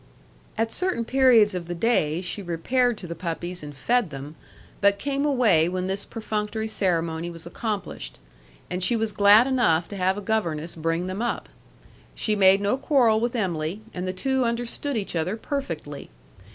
At certain periods of the day she repaired to the puppies and fed them, but came away when this perfunctory ceremony was accomplished; and she was glad enough to have a governess bring them up. She made no quarrel with Em'ly, and the two understood each other perfectly.